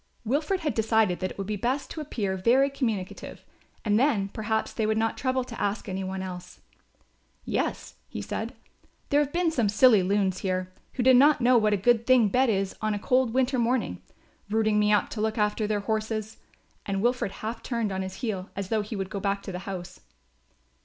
Wilfred had decided that it would be best to appear very communicative and then perhaps they would not trouble to ask any one else. "Yes," he said, "there have been some silly loons here, who did not know what a good thing bed is on a cold winter morning, routing me up to look after their horses," and Wilfred half turned on his heel as though he would go back to the house.